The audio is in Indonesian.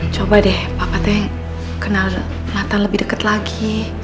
coba deh papa teh kenal nathan lebih deket lagi